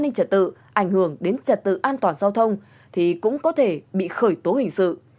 nếu hành vi trật tự ảnh hưởng đến trật tự an toàn giao thông thì cũng có thể bị khởi tố hình sự